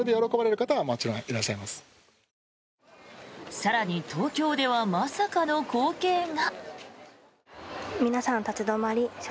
更に、東京ではまさかの光景が。